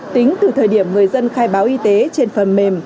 tính từ thời điểm người dân khai báo y tế trên phần mềm